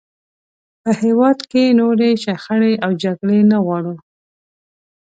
په هېواد کې نورې شخړې او جګړې نه غواړو.